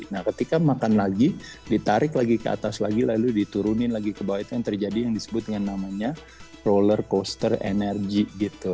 nah ketika makan lagi ditarik lagi ke atas lagi lalu diturunin lagi ke bawah itu yang terjadi yang disebut dengan namanya roller coaster energy gitu